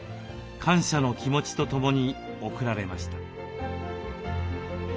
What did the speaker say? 感謝の気持ちとともに贈られました。